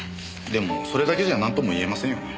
でもそれだけじゃなんとも言えませんよね。